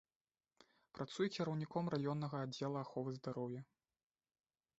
Працуе кіраўніком раённага аддзела аховы здароўя.